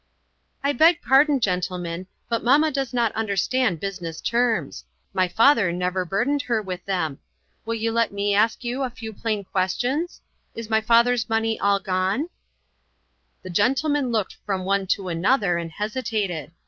"I beg pardon, gentlemen, but mamma does not understand business terms; my father never burdened her with them. Will you let me ask 3 011 a few plain questions? Is my father's money all gone ?" The gentlemen looked from one to another, and hesitated.